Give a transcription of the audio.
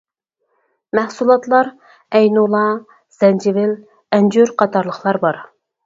مەھسۇلاتلار ئەينۇلا، زەنجىۋىل، ئەنجۈر قاتارلىقلار بار.